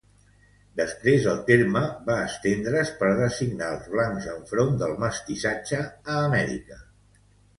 Després el terme va estendre's per designar els blancs enfront del mestissatge, a Amèrica.